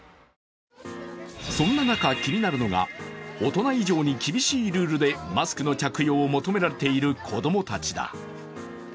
そんな中、気になるのが大人以上に厳しいルールでマスクの着用を求められている子供たちだ。